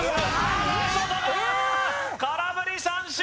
空振り三振！